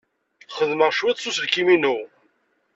Xedmeɣ cwiṭ s uselkim-inu.